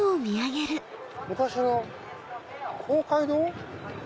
昔の公会堂？